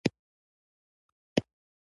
د شولګرې ولسوالۍ په لور د چکر لپاره وخوځېدو.